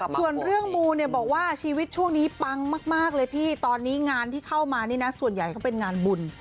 ส่วนเรื่องมูเนี่ยบอกว่าชีวิตช่วงนี้ปังมากเลยพี่ตอนนี้งานที่เข้ามานี่นะส่วนใหญ่เขาเป็นงานบุญ